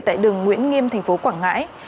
tại đường nguyễn nghiêm thành phố quảng ngãi